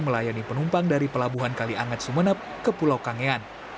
melayani penumpang dari pelabuhan kaliangat sumeneb ke pulau kangean